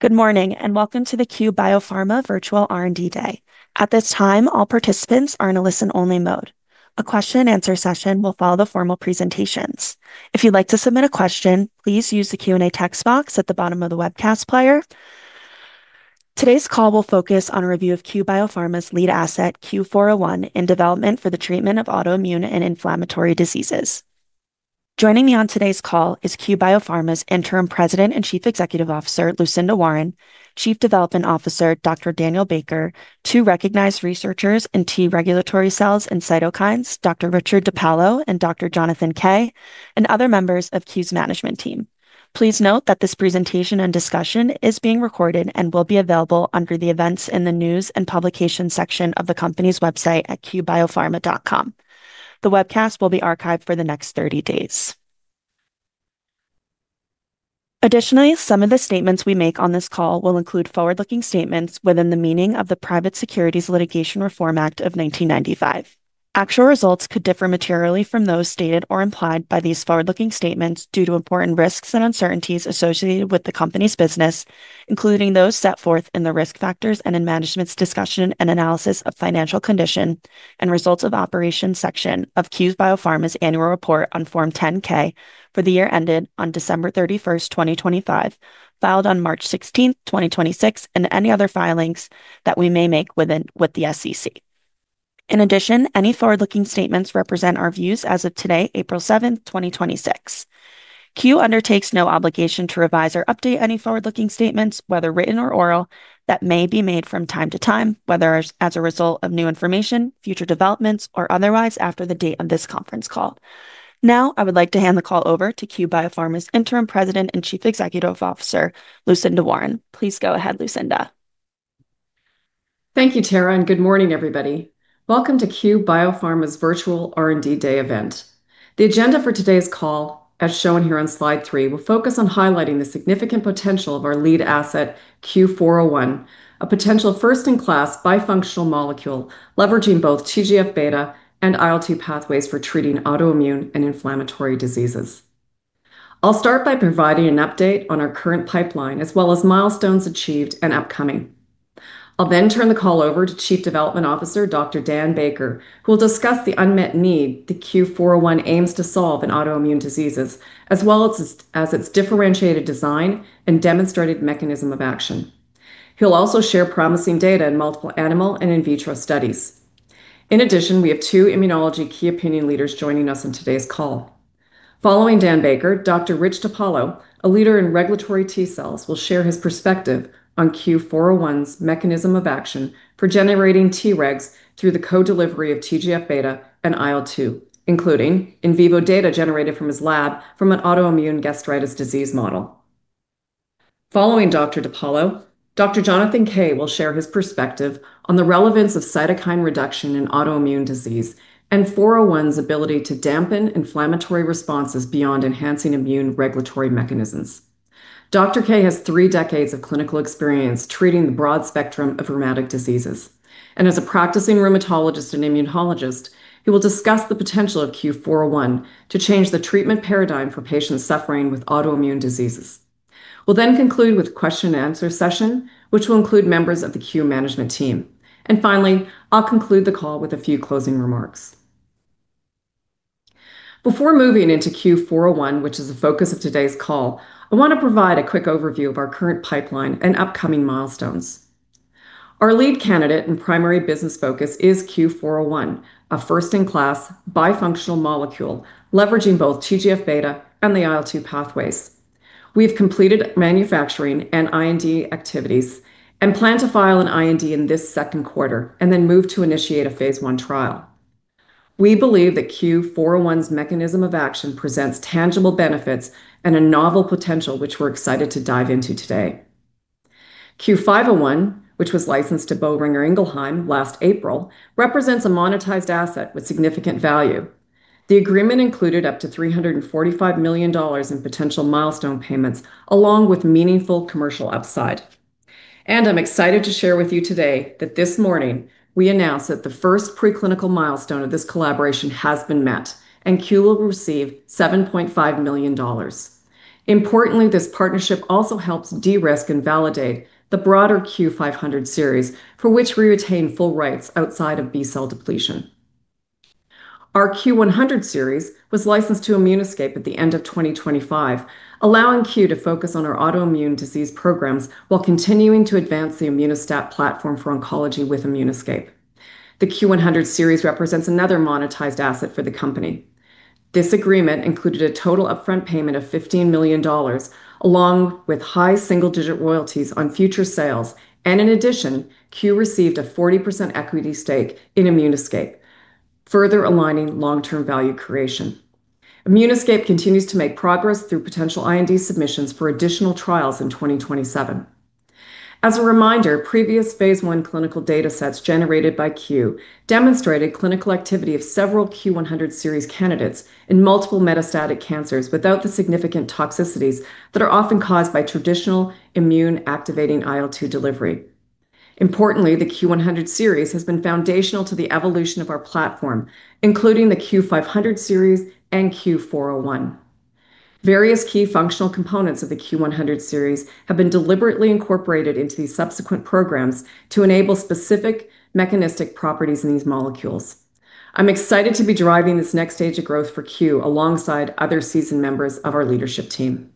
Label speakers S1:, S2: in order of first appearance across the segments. S1: Good morning, and welcome to the Cue Biopharma Virtual R&D Day. At this time, all participants are in a listen-only mode. A question and answer session will follow the formal presentations. If you'd like to submit a question, please use the Q&A text box at the bottom of the webcast player. Today's call will focus on a review of Cue Biopharma's lead asset, CUE-401, in development for the treatment of autoimmune and inflammatory diseases. Joining me on today's call is Cue Biopharma's Interim President and Chief Executive Officer, Lucinda Warren, Chief Development Officer, Dr. Daniel Baker, two recognized researchers in T regulatory cells and cytokines, Dr. Richard DiPaolo and Dr. Jonathan Kay, and other members of Cue's management team. Please note that this presentation and discussion is being recorded and will be available under the Events in the News and Publications section of the company's website at cuebiopharma.com. The webcast will be archived for the next 30 days. Additionally, some of the statements we make on this call will include forward-looking statements within the meaning of the Private Securities Litigation Reform Act of 1995. Actual results could differ materially from those stated or implied by these forward-looking statements due to important risks and uncertainties associated with the company's business, including those set forth in the Risk Factors and in Management's Discussion and Analysis of Financial Condition and Results of Operations section of Cue Biopharma's annual report on Form 10-K for the year ended on December 31st, 2025, filed on March 16th, 2026, and any other filings that we may make with the SEC. In addition, any forward-looking statements represent our views as of today, April 7th, 2026. Cue undertakes no obligation to revise or update any forward-looking statements, whether written or oral, that may be made from time to time, whether as a result of new information, future developments, or otherwise, after the date of this conference call. Now, I would like to hand the call over to Cue Biopharma's Interim President and Chief Executive Officer, Lucinda Warren. Please go ahead, Lucinda.
S2: Thank you, Tara, and good morning, everybody. Welcome to Cue Biopharma's Virtual R&D Day event. The agenda for today's call, as shown here on slide three, will focus on highlighting the significant potential of our lead asset, CUE-401, a potential first-in-class bifunctional molecule leveraging both TGF-β and IL-2 pathways for treating autoimmune and inflammatory diseases. I'll start by providing an update on our current pipeline, as well as milestones achieved and upcoming. I'll then turn the call over to Chief Development Officer, Dr. Dan Baker, who will discuss the unmet need that CUE-401 aims to solve in autoimmune diseases, as well as its differentiated design and demonstrated mechanism of action. He'll also share promising data in multiple animal and in vitro studies. In addition, we have two immunology key opinion leaders joining us on today's call. Following Dan Baker, Dr. Rich DiPaolo, a leader in regulatory T cells, will share his perspective on CUE-401's mechanism of action for generating Tregs through the co-delivery of TGF-β and IL-2, including in vivo data generated from his lab from an autoimmune gastritis disease model. Following Dr. DiPaolo, Dr. Jonathan Kay will share his perspective on the relevance of cytokine reduction in autoimmune disease and CUE-401's ability to dampen inflammatory responses beyond enhancing immune regulatory mechanisms. Dr. Kay has three decades of clinical experience treating the broad spectrum of rheumatic diseases. As a practicing rheumatologist and immunologist, he will discuss the potential of CUE-401 to change the treatment paradigm for patients suffering with autoimmune diseases. We'll conclude with a question and answer session, which will include members of the Cue management team. Finally, I'll conclude the call with a few closing remarks. Before moving into CUE-401, which is the focus of today's call, I want to provide a quick overview of our current pipeline and upcoming milestones. Our lead candidate and primary business focus is CUE-401, a first-in-class bifunctional molecule leveraging both TGF-β and the IL-2 pathways. We have completed manufacturing and IND activities and plan to file an IND in this second quarter and then move to initiate a phase I trial. We believe that CUE-401's mechanism of action presents tangible benefits and a novel potential which we're excited to dive into today. CUE-501, which was licensed to Boehringer Ingelheim last April, represents a monetized asset with significant value. The agreement included up to $345 million in potential milestone payments, along with meaningful commercial upside. I'm excited to share with you today that this morning, we announced that the first preclinical milestone of this collaboration has been met, and Cue will receive $7.5 million. Importantly, this partnership also helps de-risk and validate the broader CUE-500 series, for which we retain full rights outside of B-cell depletion. Our CUE-100 series was licensed to ImmunoScape at the end of 2025, allowing Cue to focus on our autoimmune disease programs while continuing to advance the Immuno-STAT platform for oncology with ImmunoScape. The CUE-100 series represents another monetized asset for the company. This agreement included a total upfront payment of $15 million, along with high single-digit royalties on future sales, and in addition, Cue received a 40% equity stake in ImmunoScape, further aligning long-term value creation. ImmunoScape continues to make progress through potential IND submissions for additional trials in 2027. As a reminder, previous phase I clinical data sets generated by Cue demonstrated clinical activity of several CUE-100 series candidates in multiple metastatic cancers without the significant toxicities that are often caused by traditional immune-activating IL-2 delivery. Importantly, the CUE-100 series has been foundational to the evolution of our platform, including the CUE-500 series and CUE-401. Various key functional components of the CUE-100 series have been deliberately incorporated into these subsequent programs to enable specific mechanistic properties in these molecules. I'm excited to be driving this next stage of growth for Cue alongside other seasoned members of our leadership team.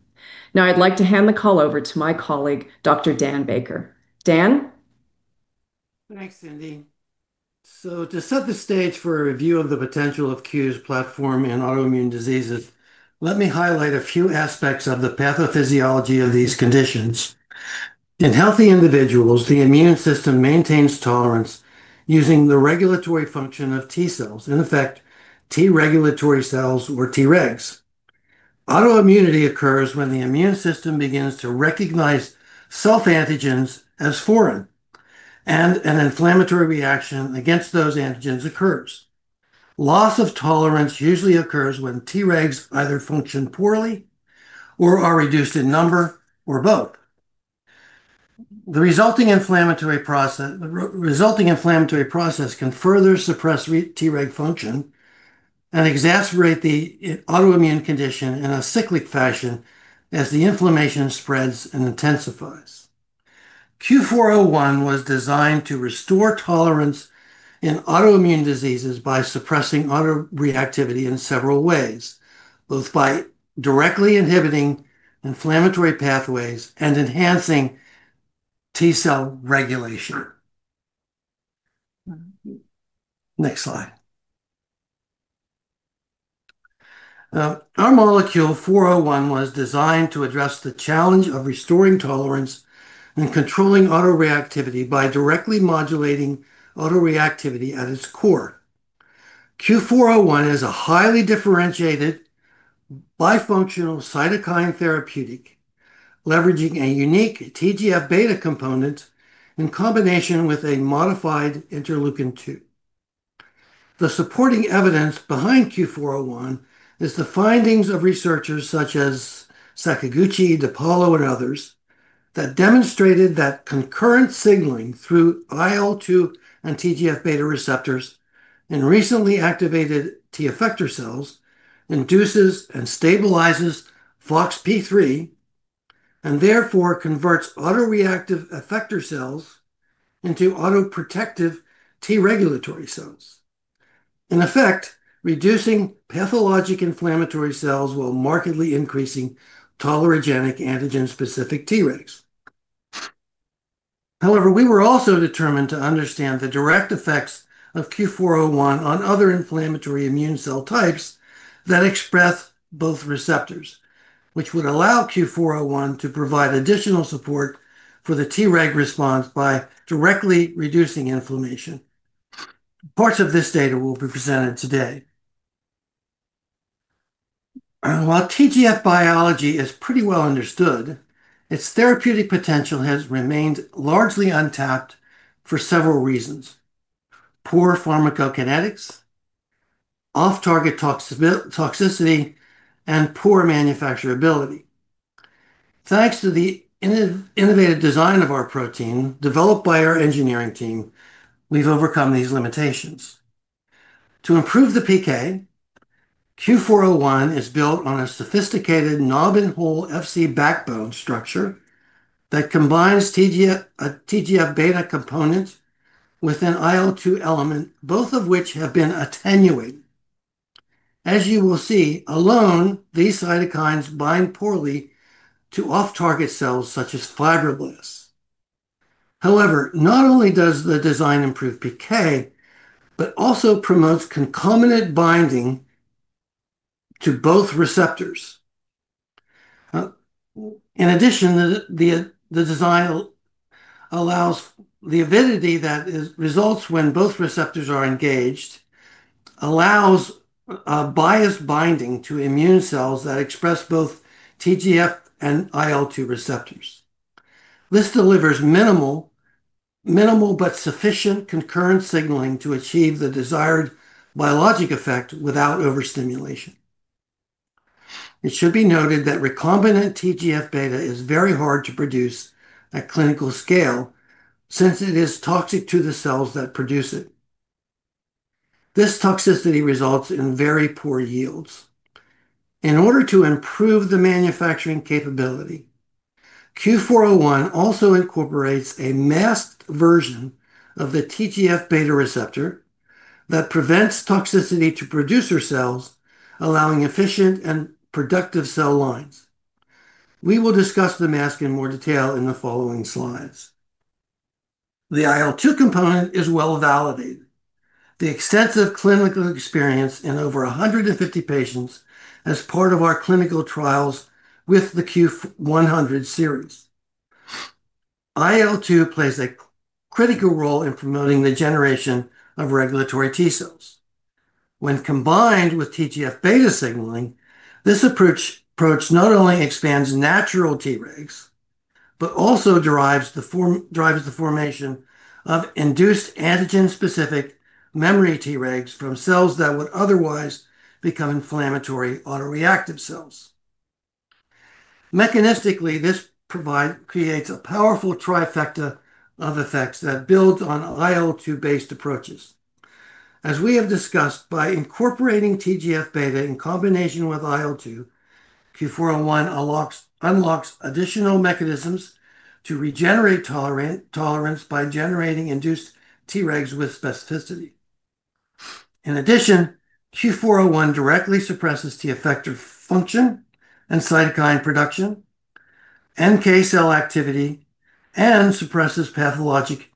S2: Now, I'd like to hand the call over to my colleague, Dr. Dan Baker. Dan?
S3: Thanks, Cindy. To set the stage for a review of the potential of Cue's platform in autoimmune diseases, let me highlight a few aspects of the pathophysiology of these conditions. In healthy individuals, the immune system maintains tolerance using the regulatory function of T cells, in effect, T regulatory cells or Tregs. Autoimmunity occurs when the immune system begins to recognize self-antigens as foreign, and an inflammatory reaction against those antigens occurs. Loss of tolerance usually occurs when Tregs either function poorly or are reduced in number, or both. The resulting inflammatory process can further suppress Treg function and exacerbate the autoimmune condition in a cyclic fashion as the inflammation spreads and intensifies. CUE-401 was designed to restore tolerance in autoimmune diseases by suppressing autoreactivity in several ways, both by directly inhibiting inflammatory pathways and enhancing T cell regulation. Next slide. Our molecule 401 was designed to address the challenge of restoring tolerance and controlling autoreactivity by directly modulating autoreactivity at its core. CUE-401 is a highly differentiated, bifunctional cytokine therapeutic leveraging a unique TGF-β component in combination with a modified interleukin-2. The supporting evidence behind CUE-401 is the findings of researchers such as Sakaguchi, DiPaolo, and others that demonstrated that concurrent signaling through IL-2 and TGF-β receptors in recently activated T effector cells induces and stabilizes FOXP3, and therefore converts autoreactive effector cells into autoprotective T regulatory cells, in effect, reducing pathologic inflammatory cells while markedly increasing tolerogenic antigen-specific Tregs. However, we were also determined to understand the direct effects of CUE-401 on other inflammatory immune cell types that express both receptors, which would allow CUE-401 to provide additional support for the Treg response by directly reducing inflammation. Parts of this data will be presented today. While TGF biology is pretty well understood, its therapeutic potential has remained largely untapped for several reasons, poor pharmacokinetics, off-target toxicity, and poor manufacturability. Thanks to the innovative design of our protein, developed by our engineering team, we've overcome these limitations. To improve the PK, CUE-401 is built on a sophisticated knob-in-hole Fc backbone structure that combines a TGF-β component with an IL-2 element, both of which have been attenuated. As you will see, alone, these cytokines bind poorly to off-target cells such as fibroblasts. However, not only does the design improve PK, but also promotes concomitant binding to both receptors. In addition, the avidity that results when both receptors are engaged allows a biased binding to immune cells that express both TGF and IL-2 receptors. This delivers minimal but sufficient concurrent signaling to achieve the desired biologic effect without overstimulation. It should be noted that recombinant TGF-β is very hard to produce at clinical scale since it is toxic to the cells that produce it. This toxicity results in very poor yields. In order to improve the manufacturing capability, CUE-401 also incorporates a masked version of the TGF-β receptor that prevents toxicity to producer cells, allowing efficient and productive cell lines. We will discuss the mask in more detail in the following slides. The IL-2 component is well-validated by the extensive clinical experience in over 150 patients as part of our clinical trials with the CUE-100 series. IL-2 plays a critical role in promoting the generation of regulatory T cells. When combined with TGF-β signaling, this approach not only expands natural Tregs, but also drives the formation of induced antigen-specific memory Tregs from cells that would otherwise become inflammatory autoreactive cells. Mechanistically, this creates a powerful trifecta of effects that builds on IL-2 based approaches. As we have discussed, by incorporating TGF-βin combination with IL-2, CUE-401 unlocks additional mechanisms to regenerate tolerance by generating induced Tregs with specificity. In addition, CUE-401 directly suppresses T effector function and cytokine production, NK cell activity, and suppresses pathologic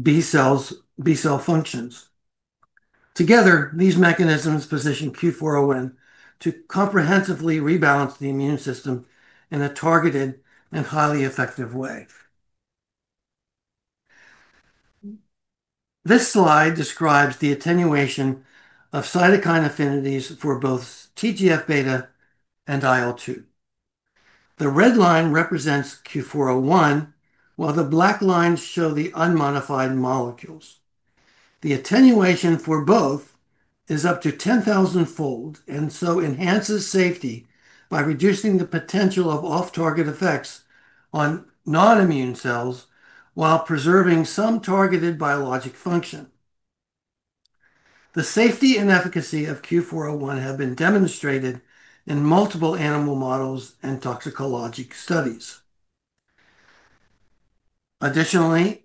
S3: B cell functions. Together, these mechanisms position CUE-401 to comprehensively rebalance the immune system in a targeted and highly effective way. This slide describes the attenuation of cytokine affinities for both TGF-β and IL-2. The red line represents CUE-401, while the black lines show the unmodified molecules. The attenuation for both is up to 10,000-fold, and so enhances safety by reducing the potential of off-target effects on non-immune cells while preserving some targeted biologic function. The safety and efficacy of CUE-401 have been demonstrated in multiple animal models and toxicologic studies. Additionally,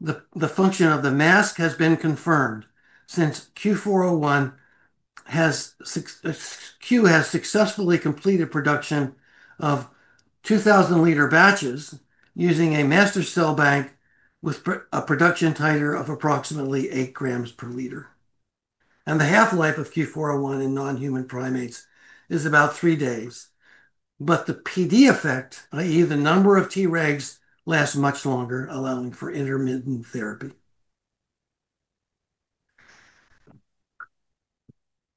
S3: the function of the mask has been confirmed since CUE has successfully completed production of 2,000 L batches using a master cell bank with a production titer of approximately 8 g per liter. The half-life of CUE-401 in non-human primates is about three days, but the PD effect, i.e., the number of Tregs, lasts much longer, allowing for intermittent therapy.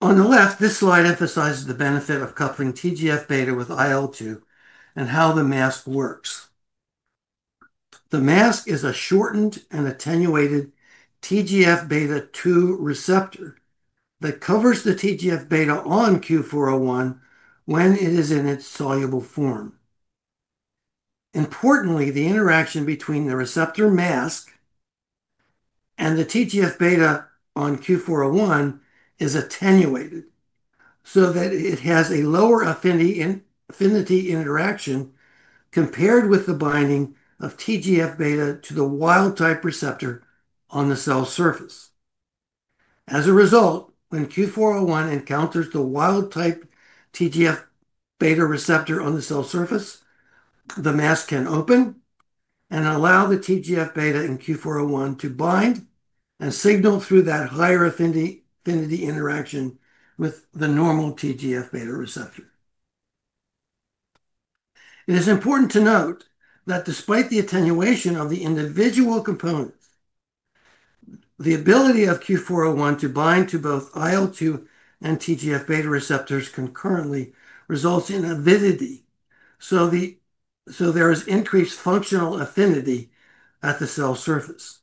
S3: On the left, this slide emphasizes the benefit of coupling TGF-β with IL-2 and how the mask works. The mask is a shortened and attenuated TGF-β II receptor that covers the TGF-β on CUE-401 when it is in its soluble form. Importantly, the interaction between the receptor mask and the TGF-β on CUE-401 is attenuated so that it has a lower affinity interaction compared with the binding of TGF-β to the wild type receptor on the cell surface. As a result, when CUE-401 encounters the wild type TGF-β receptor on the cell surface, the mask can open and allow the TGF-β and CUE-401 to bind and signal through that higher affinity interaction with the normal TGF-β receptor. It is important to note that despite the attenuation of the individual components, the ability of CUE-401 to bind to both IL-2 and TGF-β receptors concurrently results in avidity, so there is increased functional affinity at the cell surface.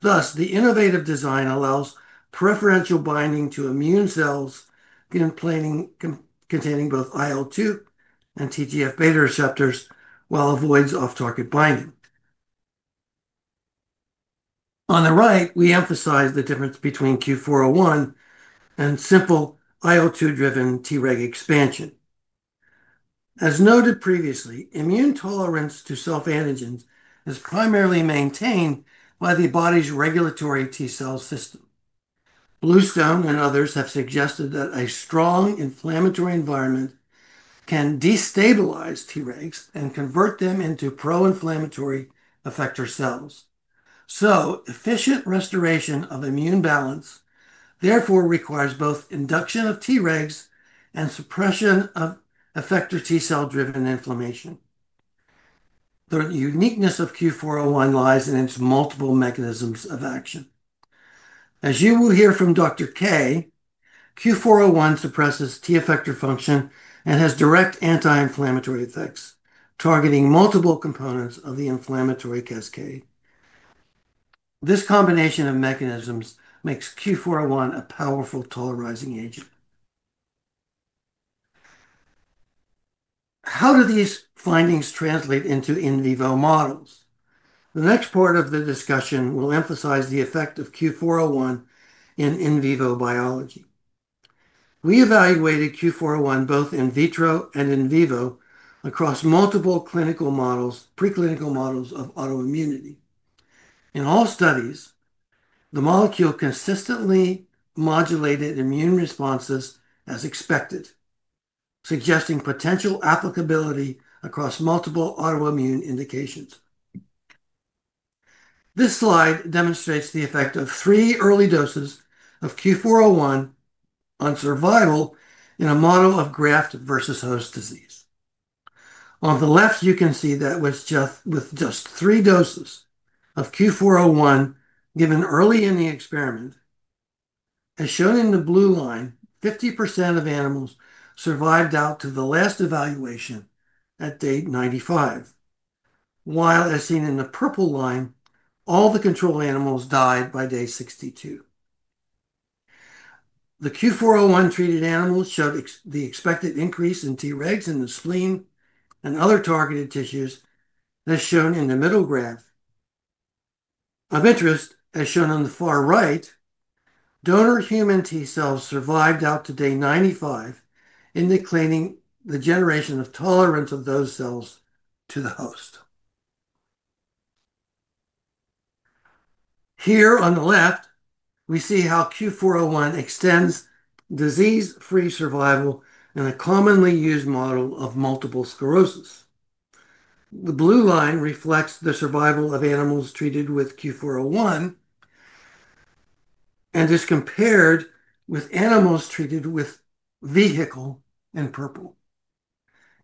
S3: Thus, the innovative design allows preferential binding to immune cells containing both IL-2 and TGF-β receptors, while avoids off-target binding. On the right, we emphasize the difference between CUE-401 and simple IL-2-driven Treg expansion. As noted previously, immune tolerance to self-antigens is primarily maintained by the body's regulatory T cell system. Bluestone and others have suggested that a strong inflammatory environment can destabilize Tregs and convert them into pro-inflammatory effector cells. Efficient restoration of immune balance, therefore, requires both induction of Tregs and suppression of effector T cell-driven inflammation. The uniqueness of CUE-401 lies in its multiple mechanisms of action. As you will hear from Dr. Kay, CUE-401 suppresses T effector function and has direct anti-inflammatory effects, targeting multiple components of the inflammatory cascade. This combination of mechanisms makes CUE-401 a powerful tolerizing agent. How do these findings translate into in vivo models? The next part of the discussion will emphasize the effect of CUE-401 in in vivo biology. We evaluated CUE-401 both in vitro and in vivo across multiple preclinical models of autoimmunity. In all studies, the molecule consistently modulated immune responses as expected, suggesting potential applicability across multiple autoimmune indications. This slide demonstrates the effect of three early doses of CUE-401 on survival in a model of graft versus host disease. On the left, you can see that with just three doses of CUE-401 given early in the experiment. As shown in the blue line, 50% of animals survived out to the last evaluation at day 95. While, as seen in the purple line, all the control animals died by day 62. The CUE-401-treated animals showed the expected increase in Tregs in the spleen and other targeted tissues, as shown in the middle graph. Of interest, as shown on the far right, donor human T cells survived out to day 95, indicating the generation of tolerance of those cells to the host. Here on the left, we see how CUE-401 extends disease-free survival in a commonly used model of multiple sclerosis. The blue line reflects the survival of animals treated with CUE-401 and is compared with animals treated with vehicle in purple.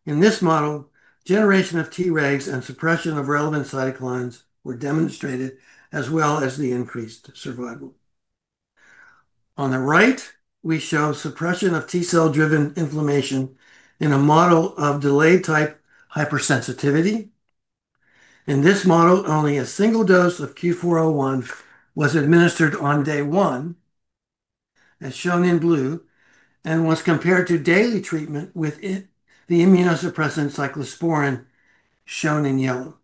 S3: In this model, generation of Tregs and suppression of relevant cytokines were demonstrated, as well as the increased survival. On the right, we show suppression of T cell-driven inflammation in a model of delayed-type hypersensitivity. In this model, only a single dose of CUE-401 was administered on day one, as shown in blue, and was compared to daily treatment with the immunosuppressant cyclosporine, shown in yellow.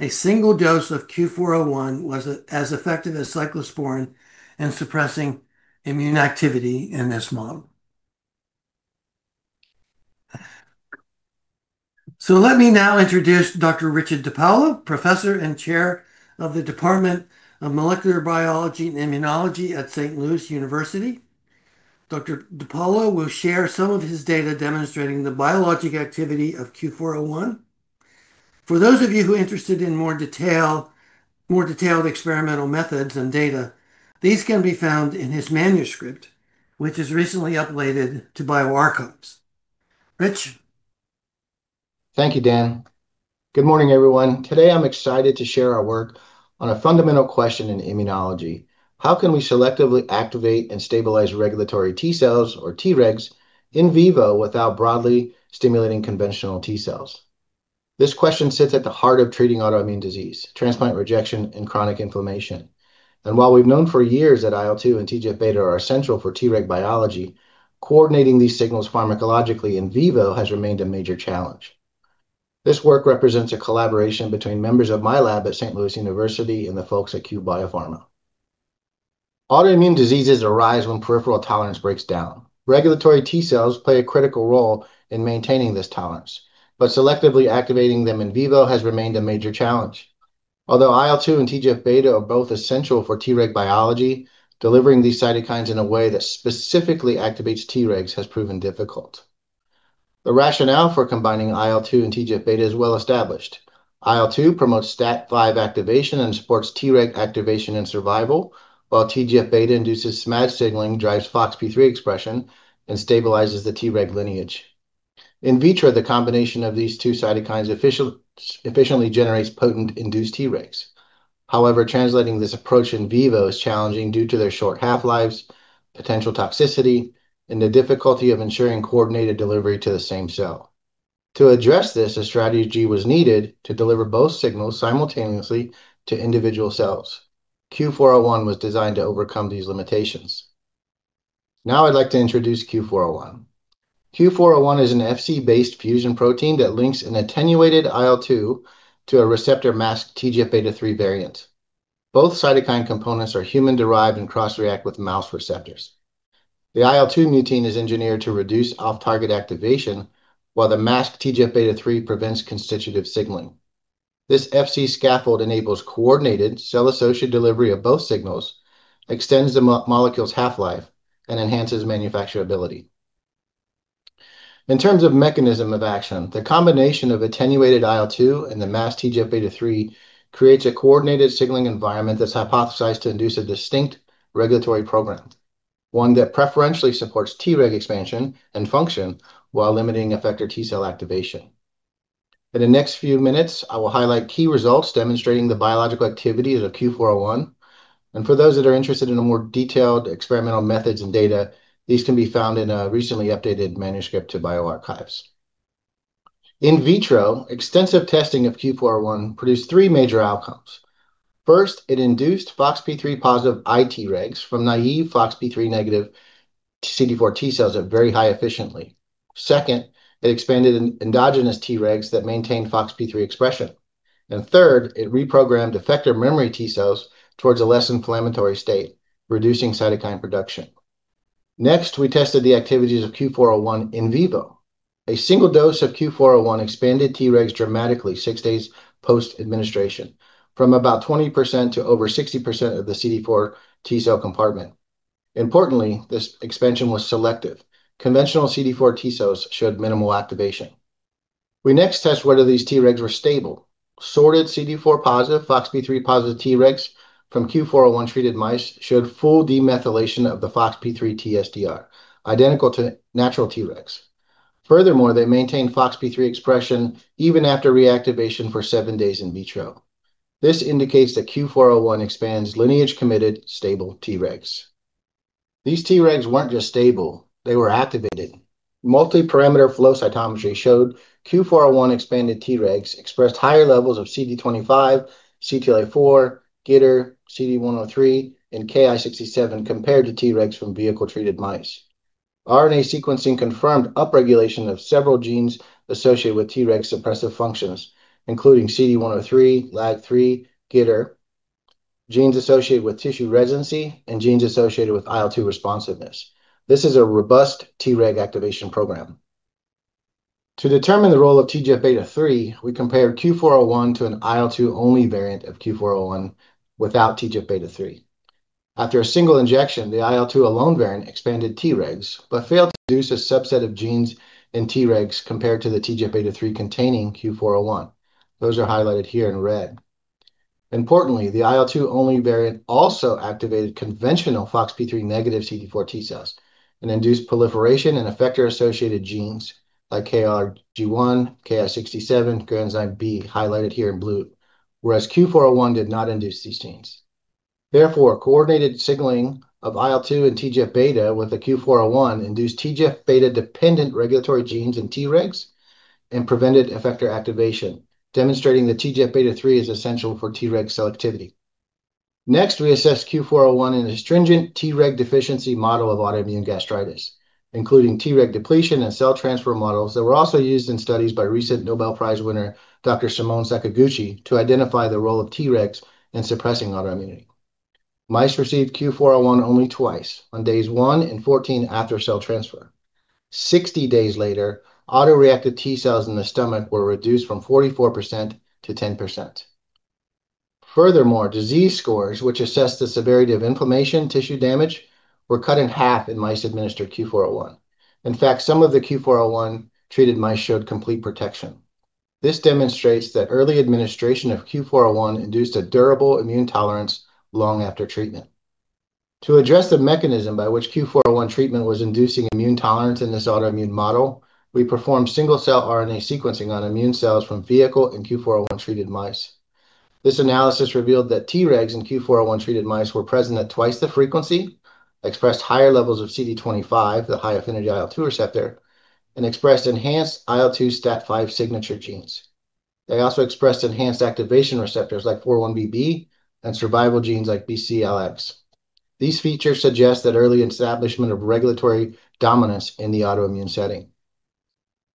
S3: A single dose of CUE-401 was as effective as cyclosporine in suppressing immune activity in this model. Let me now introduce Dr. Richard DiPaolo, Professor and Chair of the Department of Molecular Microbiology & Immunology at Saint Louis University. Dr. DiPaolo will share some of his data demonstrating the biologic activity of CUE-401. For those of you who are interested in more detailed experimental methods and data, these can be found in his manuscript, which was recently uploaded to bioRxiv. Rich?
S4: Thank you, Dan. Good morning, everyone. Today, I'm excited to share our work on a fundamental question in immunology: how can we selectively activate and stabilize regulatory T cells, or Tregs, in vivo without broadly stimulating conventional T cells? This question sits at the heart of treating autoimmune disease, transplant rejection, and chronic inflammation. While we've known for years that IL-2 and TGF-β are essential for Treg biology, coordinating these signals pharmacologically in vivo has remained a major challenge. This work represents a collaboration between members of my lab at Saint Louis University and the folks at Cue Biopharma. Autoimmune diseases arise when peripheral tolerance breaks down. Regulatory T cells play a critical role in maintaining this tolerance, but selectively activating them in vivo has remained a major challenge. Although IL-2 and TGF-β are both essential for Treg biology, delivering these cytokines in a way that specifically activates Tregs has proven difficult. The rationale for combining IL-2 and TGF-β is well-established. IL-2 promotes STAT5 activation and supports Treg activation and survival, while TGF-β induces SMAD signaling, drives FOXP3 expression, and stabilizes the Treg lineage. In vitro, the combination of these two cytokines efficiently generates potent induced Tregs. However, translating this approach in vivo is challenging due to their short half-lives, potential toxicity, and the difficulty of ensuring coordinated delivery to the same cell. To address this, a strategy was needed to deliver both signals simultaneously to individual cells. CUE-401 was designed to overcome these limitations. Now I'd like to introduce CUE-401. CUE-401 is an Fc-based fusion protein that links an attenuated IL-2 to a receptor-masked TGF-β III variant. Both cytokine components are human-derived and cross-react with mouse receptors. The IL-2 mutein is engineered to reduce off-target activation, while the masked TGF-β III prevents constitutive signaling. This Fc scaffold enables coordinated cell-associated delivery of both signals, extends the molecule's half-life, and enhances manufacturability. In terms of mechanism of action, the combination of attenuated IL-2 and the masked TGF-β III creates a coordinated signaling environment that's hypothesized to induce a distinct regulatory program, one that preferentially supports Treg expansion and function while limiting effector T cell activation. In the next few minutes, I will highlight key results demonstrating the biological activity of CUE-401, and for those that are interested in a more detailed experimental methods and data, these can be found in a recently updated manuscript to bioRxiv. In vitro, extensive testing of CUE-401 produced three major outcomes. First, it induced FOXP3 positive iTregs from naive FOXP3 negative CD4 T cells at very high efficiency. Second, it expanded endogenous Tregs that maintain FOXP3 expression. Third, it reprogrammed effector memory T cells towards a less inflammatory state, reducing cytokine production. Next, we tested the activities of CUE-401 in vivo. A single dose of CUE-401 expanded Tregs dramatically six days post-administration, from about 20% to over 60% of the CD4 T cell compartment. Importantly, this expansion was selective. Conventional CD4 T cells showed minimal activation. We next tested whether these Tregs were stable. Sorted CD4 positive FOXP3 positive Tregs from CUE-401-treated mice showed full demethylation of the FOXP3 TSDR, identical to natural Tregs. Furthermore, they maintained FOXP3 expression even after reactivation for seven days in vitro. This indicates that CUE-401 expands lineage-committed stable Tregs. These Tregs weren't just stable, they were activated. Multi-parameter flow cytometry showed CUE-401 expanded Tregs expressed higher levels of CD25, CTLA-4, GITR, CD103, and Ki-67 compared to Tregs from vehicle-treated mice. RNA sequencing confirmed upregulation of several genes associated with Treg suppressive functions, including CD103, LAG3, GITR, genes associated with tissue residency, and genes associated with IL-2 responsiveness. This is a robust Treg activation program. To determine the role of TGF-β III, we compared CUE-401 to an IL-2 only variant of CUE-401 without TGF-β III. After a single injection, the IL-2 alone variant expanded Tregs, but failed to produce a subset of genes in Tregs compared to the TGF-β III containing CUE-401. Those are highlighted here in red. Importantly, the IL-2 only variant also activated conventional FOXP3 negative CD4 T cells and induced proliferation in effector-associated genes like KLRG1, Ki-67, granzyme B, highlighted here in blue, whereas CUE-401 did not induce these genes. Therefore, coordinated signaling of IL-2 and TGF-β with the CUE-401 induced TGF-β dependent regulatory genes in Tregs and prevented effector activation, demonstrating that TGF-β III is essential for Treg cell activity. Next, we assess CUE-401 in a stringent Treg deficiency model of autoimmune gastritis, including Treg depletion and cell transfer models that were also used in studies by recent Nobel Prize winner, Dr. Shimon Sakaguchi, to identify the role of Tregs in suppressing autoimmunity. Mice received CUE-401 only twice, on days one and 14 after cell transfer. 60 days later, autoreactive T cells in the stomach were reduced from 44% to 10%. Furthermore, disease scores, which assess the severity of inflammatory tissue damage, were cut in half in mice administered CUE-401. In fact, some of the CUE-401-treated mice showed complete protection. This demonstrates that early administration of CUE-401 induced a durable immune tolerance long after treatment. To address the mechanism by which CUE-401 treatment was inducing immune tolerance in this autoimmune model, we performed single-cell RNA sequencing on immune cells from vehicle- and CUE-401-treated mice. This analysis revealed that Tregs in CUE-401 treated mice were present at twice the frequency, expressed higher levels of CD25, the high affinity IL-2 receptor, and expressed enhanced IL-2/STAT5 signature genes. They also expressed enhanced activation receptors like 4-1BB and survival genes like Bcl-xL. These features suggest that early establishment of regulatory dominance in the autoimmune setting.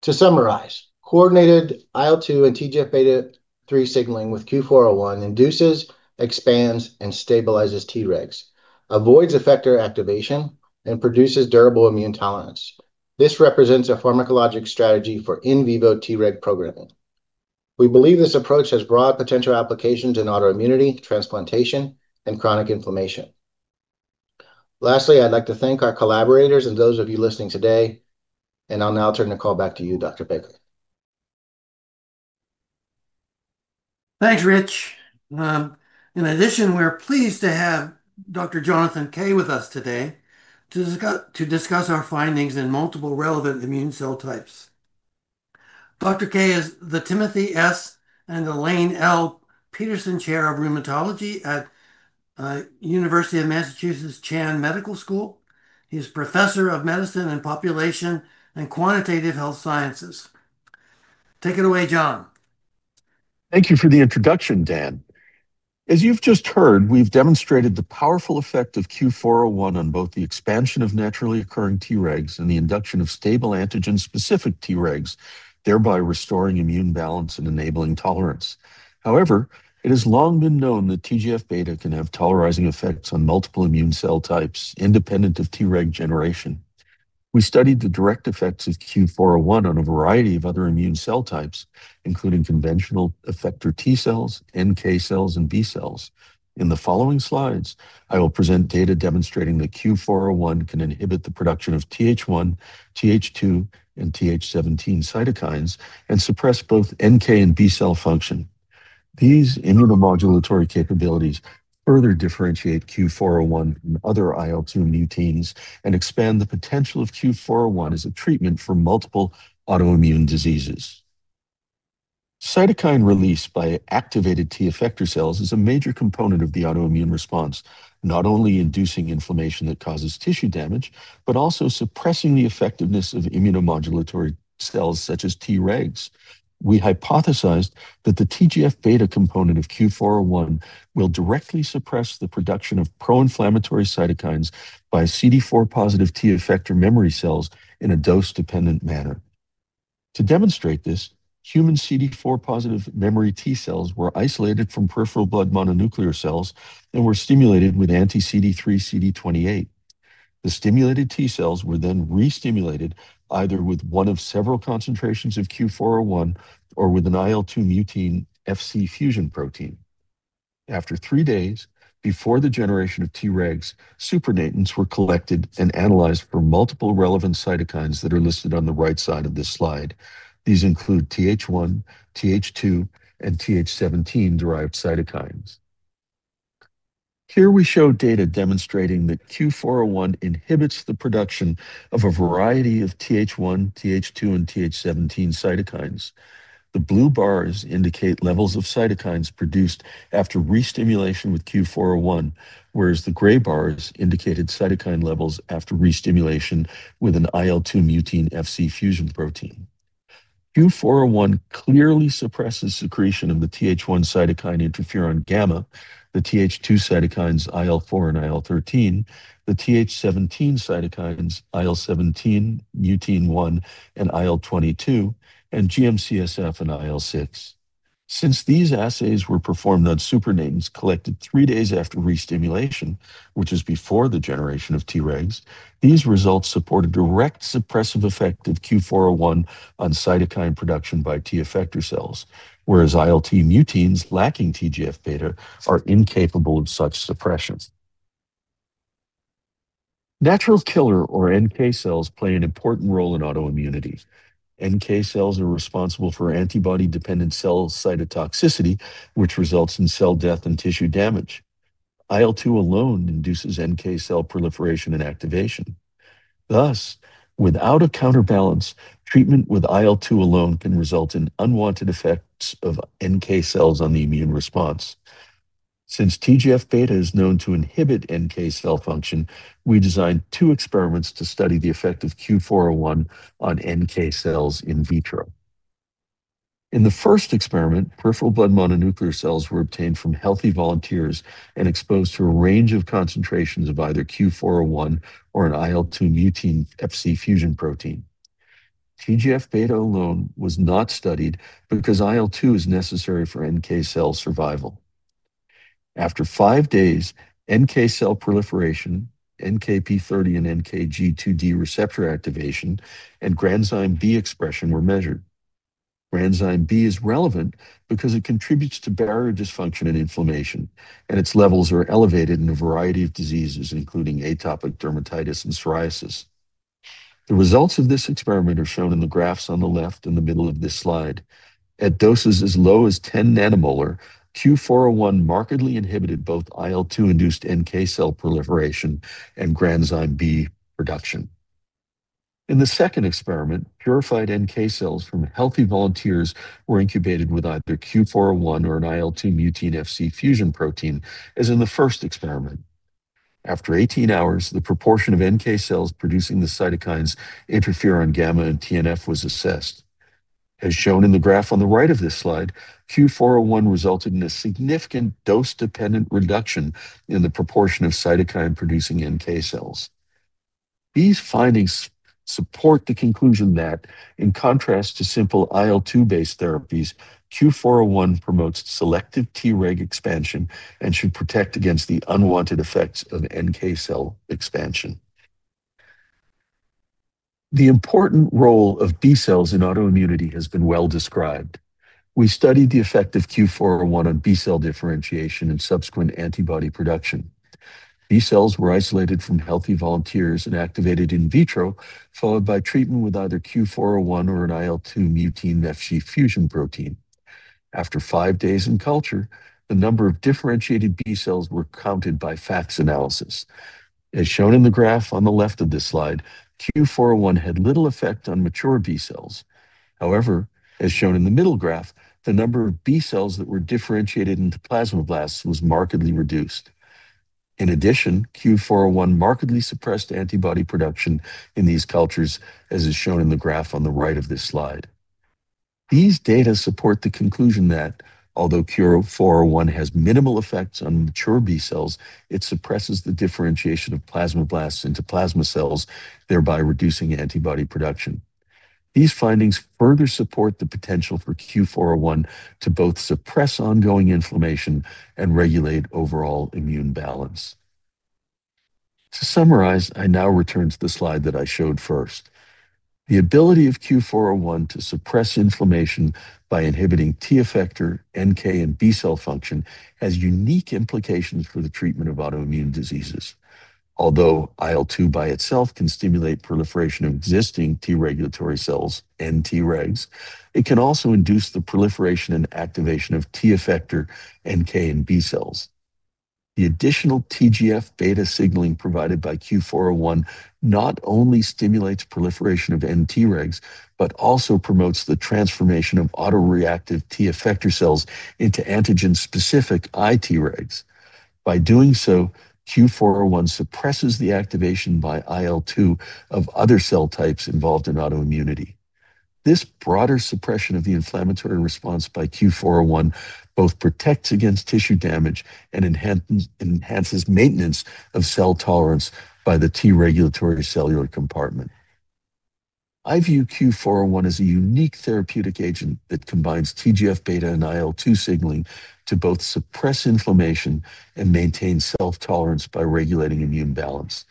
S4: To summarize, coordinated IL-2 and TGF-β III signaling with CUE-401 induces, expands, and stabilizes Tregs, avoids effector activation, and produces durable immune tolerance. This represents a pharmacologic strategy for in vivo Treg programming. We believe this approach has broad potential applications in autoimmunity, transplantation, and chronic inflammation. Lastly, I'd like to thank our collaborators and those of you listening today, and I'll now turn the call back to you, Dr. Baker.
S3: Thanks, Rich. In addition, we're pleased to have Dr. Jonathan Kay with us today to discuss our findings in multiple relevant immune cell types. Dr. Kay is the Timothy S. and Elaine L. Peterson Chair in Rheumatology at University of Massachusetts Chan Medical School. He's Professor of Medicine and Population and Quantitative Health Sciences. Take it away, Jon.
S5: Thank you for the introduction, Dan. As you've just heard, we've demonstrated the powerful effect of CUE-401 on both the expansion of naturally occurring Tregs and the induction of stable antigen-specific Tregs, thereby restoring immune balance and enabling tolerance. However, it has long been known that TGF-β can have tolerizing effects on multiple immune cell types independent of Treg generation. We studied the direct effects of CUE-401 on a variety of other immune cell types, including conventional effector T cells, NK cells, and B cells. In the following slides, I will present data demonstrating that CUE-401 can inhibit the production of TH1, TH2, and TH17 cytokines and suppress both NK and B cell function. These immunomodulatory capabilities further differentiate CUE-401 from other IL-2 muteins and expand the potential of CUE-401 as a treatment for multiple autoimmune diseases. Cytokine release by activated T effector cells is a major component of the autoimmune response, not only inducing inflammation that causes tissue damage, but also suppressing the effectiveness of immunomodulatory cells such as Tregs. We hypothesized that the TGF-β component of CUE-401 will directly suppress the production of pro-inflammatory cytokines by CD4 positive T effector memory cells in a dose-dependent manner. To demonstrate this, human CD4 positive memory T cells were isolated from peripheral blood mononuclear cells and were stimulated with anti-CD3/CD28. The stimulated T cells were then re-stimulated either with one of several concentrations of CUE-401 or with an IL-2 mutein Fc fusion protein. After three days, before the generation of Tregs, supernatants were collected and analyzed for multiple relevant cytokines that are listed on the right side of this slide. These include TH1, TH2, and TH17 derived cytokines. Here we show data demonstrating that CUE-401 inhibits the production of a variety of TH1, TH2, and TH17 cytokines. The blue bars indicate levels of cytokines produced after re-stimulation with CUE-401, whereas the gray bars indicated cytokine levels after re-stimulation with an IL-2 mutein Fc fusion protein. CUE-401 clearly suppresses secretion of the TH1 cytokine Interferon gamma, the TH2 cytokines IL-4 and IL-13, the TH17 cytokines IL-17, Mutein-1, and IL-22, and GM-CSF and IL-6. Since these assays were performed on supernatants collected three days after re-stimulation, which is before the generation of Tregs, these results support a direct suppressive effect of CUE-401 on cytokine production by T effector cells, whereas IL-2 muteins lacking TGF-β are incapable of such suppressions. Natural killer or NK cells play an important role in autoimmunity. NK cells are responsible for antibody-dependent cell cytotoxicity, which results in cell death and tissue damage. IL-2 alone induces NK cell proliferation and activation. Thus, without a counterbalance, treatment with IL-2 alone can result in unwanted effects of NK cells on the immune response. Since TGF-β is known to inhibit NK cell function, we designed two experiments to study the effect of CUE-401 on NK cells in vitro. In the first experiment, peripheral blood mononuclear cells were obtained from healthy volunteers and exposed to a range of concentrations of either CUE-401 or an IL-2 mutein Fc fusion protein. TGF-β alone was not studied because IL-2 is necessary for NK cell survival. After five days, NK cell proliferation, NKp30 and NKG2D receptor activation, and granzyme B expression were measured. Granzyme B is relevant because it contributes to barrier dysfunction and inflammation, and its levels are elevated in a variety of diseases, including atopic dermatitis and psoriasis. The results of this experiment are shown in the graphs on the left in the middle of this slide. At doses as low as 10 nanomolar, CUE-401 markedly inhibited both IL-2-induced NK cell proliferation and granzyme B production. In the second experiment, purified NK cells from healthy volunteers were incubated with either CUE-401 or an IL-2 mutein Fc fusion protein, as in the first experiment. After 18 hours, the proportion of NK cells producing the cytokines Interferon gamma and TNF was assessed. As shown in the graph on the right of this slide, CUE-401 resulted in a significant dose-dependent reduction in the proportion of cytokine-producing NK cells. These findings support the conclusion that in contrast to simple IL-2-based therapies, CUE-401 promotes selective Treg expansion and should protect against the unwanted effects of NK cell expansion. The important role of B cells in autoimmunity has been well described. We studied the effect of CUE-401 on B cell differentiation and subsequent antibody production. B cells were isolated from healthy volunteers and activated in vitro, followed by treatment with either CUE-401 or an IL-2 mutein Fc fusion protein. After five days in culture, the number of differentiated B cells were counted by FACS analysis. As shown in the graph on the left of this slide, CUE-401 had little effect on mature B cells. However, as shown in the middle graph, the number of B cells that were differentiated into plasmablasts was markedly reduced. In addition, CUE-401 markedly suppressed antibody production in these cultures, as is shown in the graph on the right of this slide. These data support the conclusion that although CUE-401 has minimal effects on mature B cells, it suppresses the differentiation of plasmablasts into plasma cells, thereby reducing antibody production. These findings further support the potential for CUE-401 to both suppress ongoing inflammation and regulate overall immune balance. To summarize, I now return to the slide that I showed first. The ability of CUE-401 to suppress inflammation by inhibiting T effector, NK, and B cell function has unique implications for the treatment of autoimmune diseases. Although IL-2 by itself can stimulate proliferation of existing T regulatory cells and Tregs, it can also induce the proliferation and activation of T effector, NK, and B cells. The additional TGF-β signaling provided by CUE-401 not only stimulates proliferation of nTregs but also promotes the transformation of autoreactive T effector cells into antigen-specific iTregs. By doing so, CUE-401 suppresses the activation by IL-2 of other cell types involved in autoimmunity. This broader suppression of the inflammatory response by CUE-401 both protects against tissue damage and enhances maintenance of cell tolerance by the T regulatory cellular compartment. I view CUE-401 as a unique therapeutic agent that combines TGF-β and IL-2 signaling to both suppress inflammation and maintain self-tolerance by regulating immune balance.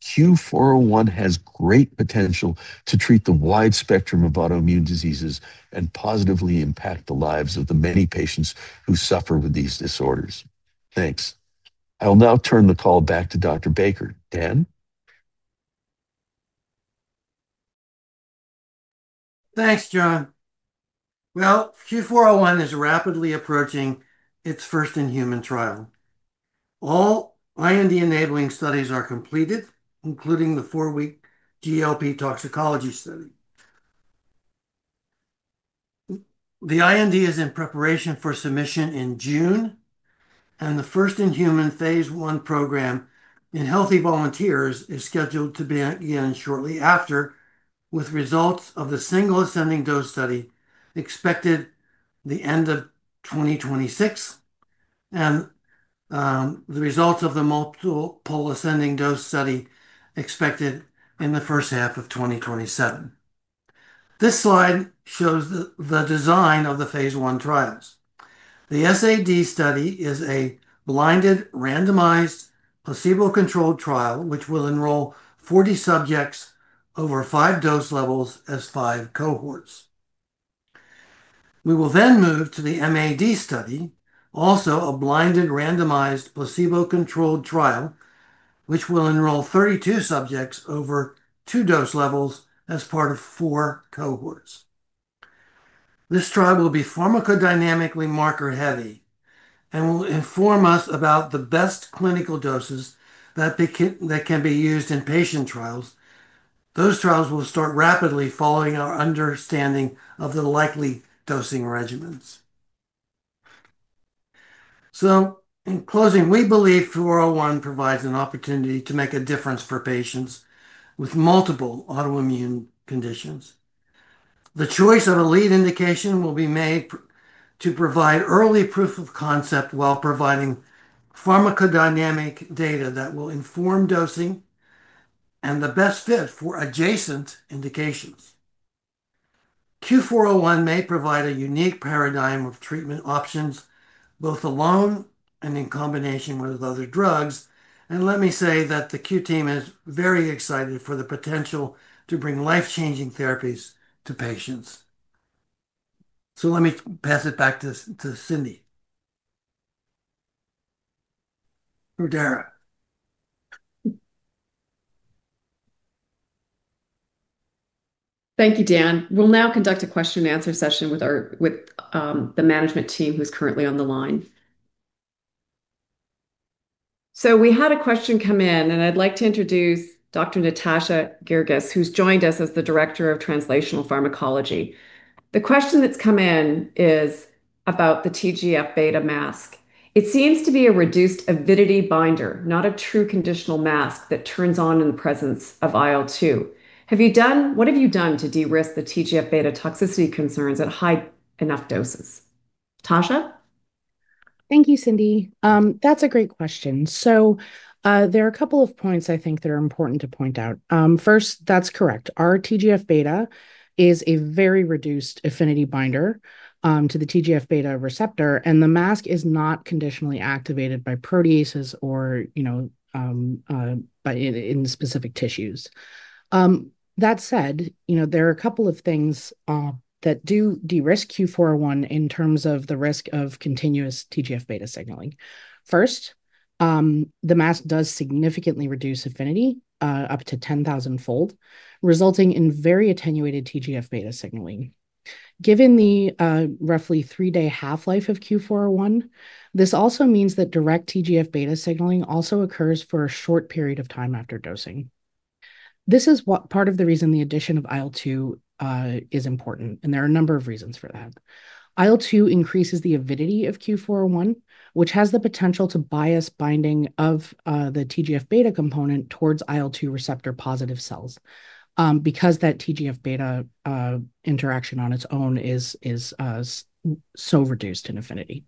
S5: Thus, CUE-401 has great potential to treat the wide spectrum of autoimmune diseases and positively impact the lives of the many patients who suffer with these disorders. Thanks. I will now turn the call back to Dr. Baker. Dan?
S3: Thanks, Jon. Well, CUE-401 is rapidly approaching its first human trial. All IND-enabling studies are completed, including the four-week GLP toxicology study. The IND is in preparation for submission in June, and the first-in-human phase I program in healthy volunteers is scheduled to begin shortly after, with results of the single ascending dose study expected the end of 2026, and the results of the multiple ascending dose study expected in the first half of 2027. This slide shows the design of the phase I trials. The SAD study is a blinded, randomized, placebo-controlled trial which will enroll 40 subjects over five dose levels as five cohorts. We will then move to the MAD study, also a blinded, randomized, placebo-controlled trial, which will enroll 32 subjects over two dose levels as part of four cohorts. This trial will be pharmacodynamically marker heavy and will inform us about the best clinical doses that can be used in patient trials. Those trials will start rapidly following our understanding of the likely dosing regimens. In closing, we believe 401 provides an opportunity to make a difference for patients with multiple autoimmune conditions. The choice of a lead indication will be made to provide early proof of concept while providing pharmacodynamic data that will inform dosing and the best fit for adjacent indications. CUE-401 may provide a unique paradigm of treatment options, both alone and in combination with other drugs. Let me say that the Q team is very excited for the potential to bring life-changing therapies to patients. Let me pass it back to Cindy. Or Tara.
S2: Thank you, Dan. We'll now conduct a question and answer session with the management team who's currently on the line. We had a question come in, and I'd like to introduce Dr. Natasha Girgis, who's joined us as the Director of Translational Pharmacology. The question that's come in is about the TGF-β mask. It seems to be a reduced avidity binder, not a true conditional mask that turns on in the presence of IL-2. What have you done to de-risk the TGF-β toxicity concerns at high enough doses? Tasha?
S6: Thank you, Cindy. That's a great question. There are a couple of points I think that are important to point out. First, that's correct. Our TGF-β is a very reduced affinity binder to the TGF-β receptor, and the mask is not conditionally activated by proteases or in specific tissues. That said, there are a couple of things that do de-risk CUE-401 in terms of the risk of continuous TGF-β signaling. First, the mask does significantly reduce affinity up to 10,000-fold, resulting in very attenuated TGF-β signaling. Given the roughly three-day half-life of CUE-401, this also means that direct TGF-β signaling also occurs for a short period of time after dosing. This is part of the reason the addition of IL-2 is important, and there are a number of reasons for that. IL-2 increases the avidity of CUE-401, which has the potential to bias binding of the TGF-β component towards IL-2 receptor positive cells, because that TGF-β interaction on its own is so reduced in affinity.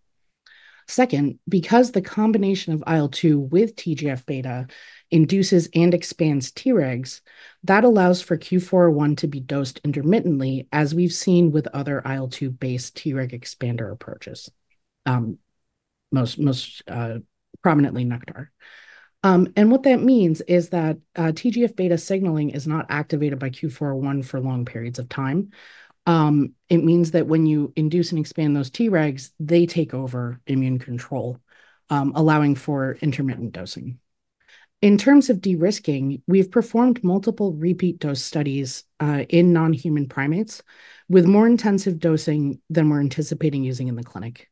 S6: Second, because the combination of IL-2 with TGF-β induces and expands Tregs, that allows for CUE-401 to be dosed intermittently, as we've seen with other IL-2 based Treg expander approaches, most prominently Neoleukin. What that means is that TGF-β signaling is not activated by CUE-401 for long periods of time. It means that when you induce and expand those Tregs, they take over immune control, allowing for intermittent dosing. In terms of de-risking, we've performed multiple repeat dose studies in non-human primates with more intensive dosing than we're anticipating using in the clinic.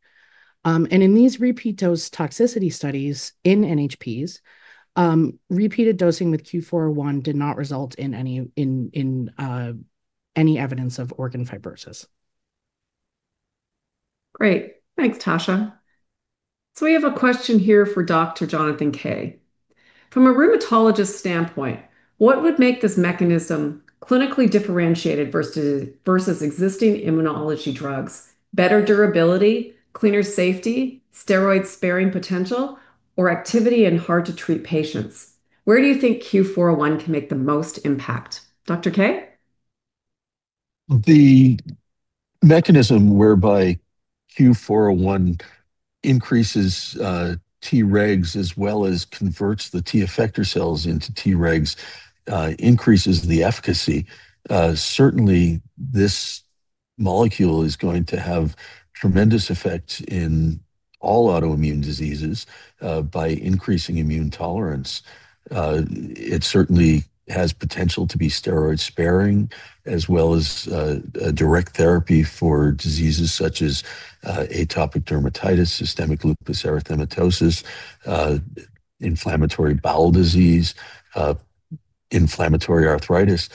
S6: In these repeat dose toxicity studies in NHPs, repeated dosing with CUE-401 did not result in any evidence of organ fibrosis.
S2: Great. Thanks, Tasha. We have a question here for Dr. Jonathan Kay. From a rheumatologist standpoint, what would make this mechanism clinically differentiated versus existing immunology drugs? Better durability, cleaner safety, steroid-sparing potential, or activity in hard to treat patients? Where do you think CUE-401 can make the most impact? Dr. Kay?
S5: The mechanism whereby CUE-401 increases Tregs as well as converts the T effector cells into Tregs, increases the efficacy. Certainly, this molecule is going to have tremendous effects in all autoimmune diseases by increasing immune tolerance. It certainly has potential to be steroid sparing as well as a direct therapy for diseases such as atopic dermatitis, systemic lupus erythematosus, inflammatory bowel disease. Inflammatory arthritis.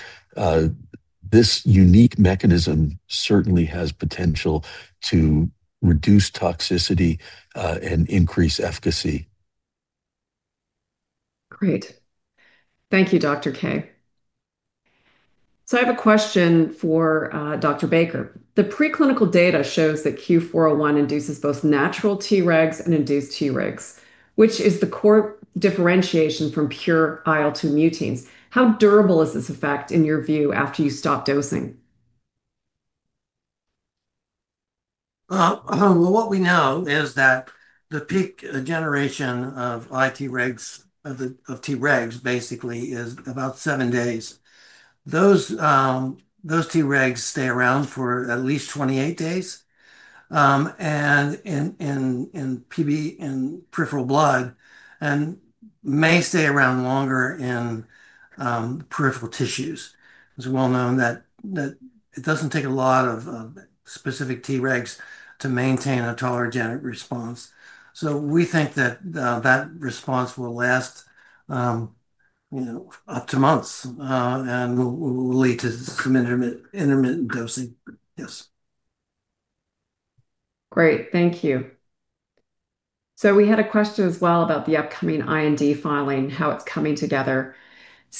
S5: This unique mechanism certainly has potential to reduce toxicity and increase efficacy.
S2: Great. Thank you, Dr. Kay. I have a question for Dr. Baker. The preclinical data shows that CUE-401 induces both natural Tregs and induced Tregs, which is the core differentiation from pure IL-2 muteins. How durable is this effect in your view after you stop dosing?
S3: Well, what we know is that the peak generation of iTregs, of Tregs basically, is about seven days. Those Tregs stay around for at least 28 days, and in peripheral blood, and may stay around longer in peripheral tissues. It's well known that it doesn't take a lot of specific Tregs to maintain a tolerogenic response. We think that that response will last up to months, and will lead to some intermittent dosing. Yes.
S2: Great, thank you. We had a question as well about the upcoming IND filing, how it's coming together.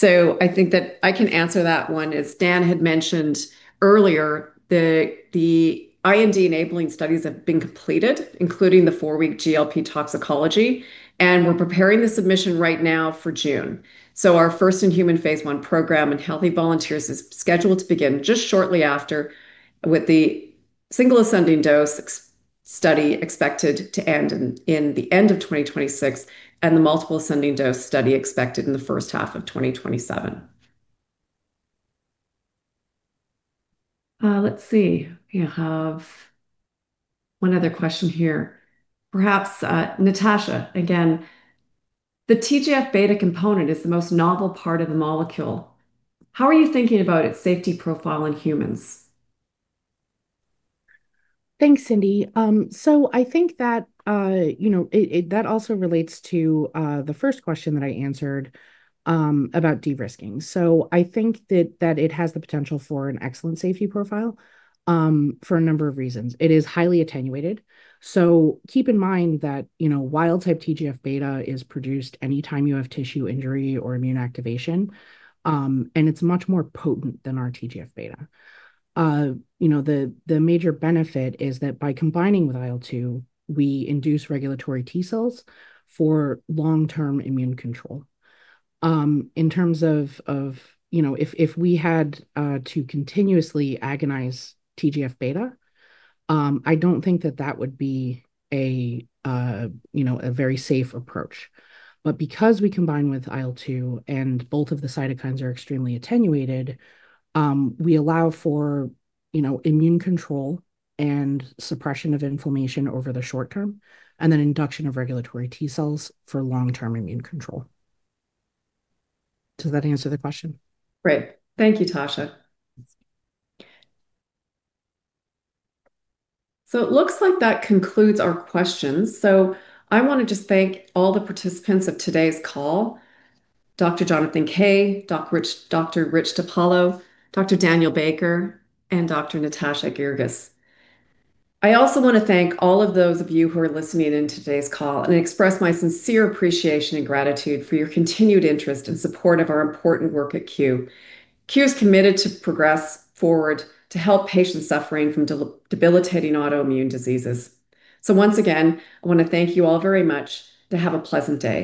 S2: I think that I can answer that one. As Dan had mentioned earlier, the IND enabling studies have been completed, including the four-week GLP toxicology, and we're preparing the submission right now for June. Our first-in-human phase I program in healthy volunteers is scheduled to begin just shortly after, with the single ascending dose study expected to end in the end of 2026, and the multiple ascending dose study expected in the first half of 2027. Let's see. We have one other question here. Perhaps, Natasha, again. The TGF-β component is the most novel part of the molecule. How are you thinking about its safety profile in humans?
S6: Thanks, Cindy. I think that also relates to the first question that I answered about de-risking. I think that it has the potential for an excellent safety profile for a number of reasons. It is highly attenuated, so keep in mind that wild type TGF-β is produced anytime you have tissue injury or immune activation, and it's much more potent than our TGF-β. The major benefit is that by combining with IL-2, we induce regulatory T cells for long-term immune control. In terms of if we had to continuously agonize TGF-β, I don't think that would be a very safe approach. Because we combine with IL-2 and both of the cytokines are extremely attenuated, we allow for immune control and suppression of inflammation over the short term, and then induction of regulatory T cells for long-term immune control. Does that answer the question?
S2: Great. Thank you, Tasha. It looks like that concludes our questions. I want to just thank all the participants of today's call, Dr. Jonathan Kay, Dr. Rich DiPaolo, Dr. Daniel Baker, and Dr. Natasha Girgis. I also want to thank all of those of you who are listening in today's call and express my sincere appreciation and gratitude for your continued interest and support of our important work at Cue. Cue is committed to progress forward to help patients suffering from debilitating autoimmune diseases. Once again, I want to thank you all very much, and have a pleasant day.